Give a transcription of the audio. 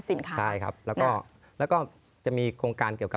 สนุนโดยอีซุสุข